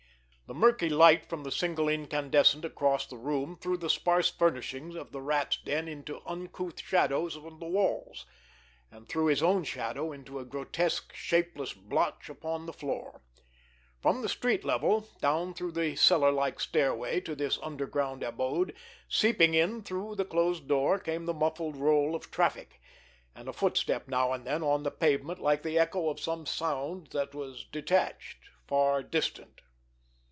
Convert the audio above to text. The murky light from the single incandescent across the room threw the sparse furnishings of the Rat's den into uncouth shadows on the walls, and threw his own shadow into a grotesque, shapeless blotch upon the floor. From the street level, down through the cellar like stairway to this underground abode, seeping in through the closed door, came the muffled roll of traffic, and a footstep now and then on the pavement like the echo of some sound that was detached, far distant.